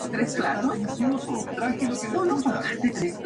Asumió el título de "Su Majestad".